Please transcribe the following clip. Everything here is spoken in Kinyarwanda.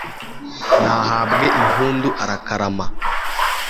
nahabwe impundu arakarama